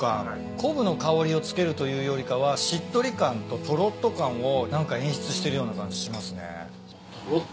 昆布の香りを付けるというよりかはしっとり感ととろっと感を何か演出してるような感じしますね。